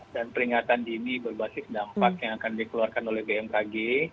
dan peringatan di ini berbasis dampak yang akan dikeluarkan oleh bmkg